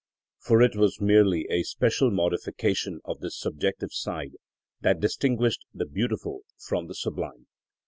For it was merely a special modification of this subjective side that distinguished the beautiful from the sublime.